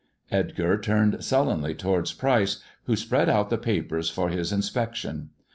Edgar turned sullenly towards Pryce, who spread out the papers for his inspection.